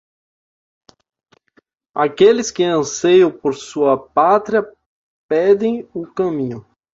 Aqueles que anseiam por sua pátria, pedem o caminho.